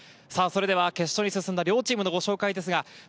決勝に進んだ両チームのご紹介です。